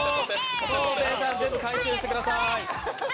昴生さん、全部回収してください。